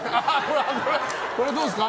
これ、どうですか？